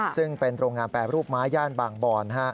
ซึ่งเป็นโรงงานแปรรูปไม้ย่านบางบอน